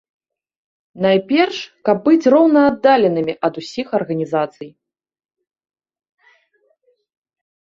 Найперш, каб быць роўнааддаленымі ад усіх арганізацый.